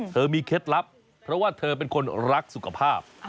เธอมีเคล็ดลับเพราะว่าเธอเป็นคนรักสุขภาพ